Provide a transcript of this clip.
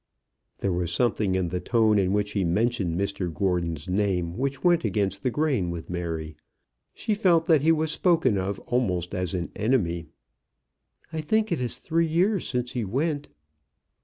There was something in the tone in which he mentioned Mr Gordon's name which went against the grain with Mary. She felt that he was spoken of almost as an enemy. "I think it is three years since he went."